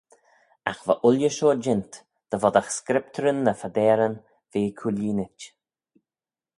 Agh va ooilley shoh jeant, dy voddagh scriptyryn ny phadeyryn ve cooilleenit.